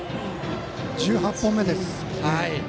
１８本目ですね。